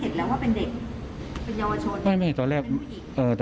ซึ่งเห็นแล้วว่าเป็นเด็กเป็นเยาวชน